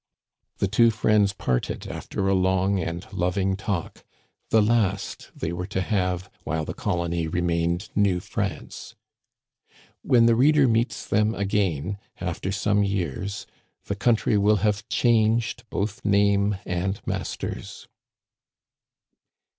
The two friends parted after a long and loving talk, the last they were to have while the colony remained New France. When the reader meets them again after some years, the country will have changed both name and masters.